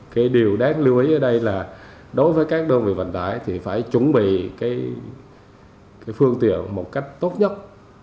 cái điều đáng lưu ý ở đây là đối với các đơn vị vận tải thì phải chuẩn bị cái phương tiện một cách tốt nhất